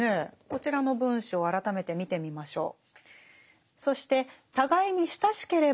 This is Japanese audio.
こちらの文章を改めて見てみましょう。